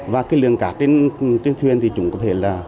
và cái lường cát trên thuyền thì chúng có thể là